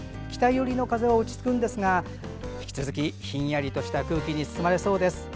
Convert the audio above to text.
北寄りの風は落ち着くんですが引き続きひんやりとした空気に包まれそうです。